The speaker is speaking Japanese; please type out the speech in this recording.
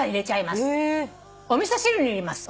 おみそ汁に入れます。